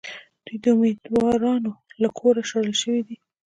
دوی د اُمیدوارانو له کوره شړل شوي دي.